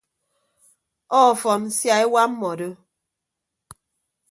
Ọfọn sia ewa mmọdo.